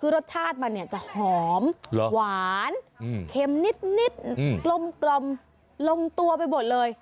คือรสชาติมันเนี่ยจะหอมหวานเค็มนิดกลมลงตัวไปหมดเลย